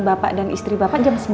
bapak dan istri bapak jam sembilan